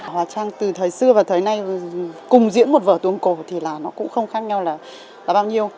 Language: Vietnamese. hóa trang từ thời xưa và thời nay cùng diễn một vở tuồng cổ thì là nó cũng không khác nhau là bao nhiêu